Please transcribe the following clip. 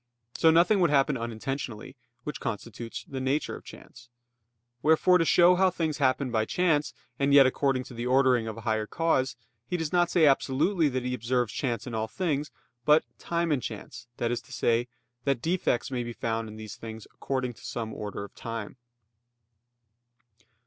So nothing would happen unintentionally; which constitutes the nature of chance. Wherefore to show how things happen by chance and yet according to the ordering of a higher cause, he does not say absolutely that he observes chance in all things, but "time and chance," that is to say, that defects may be found in these things according to some order of time.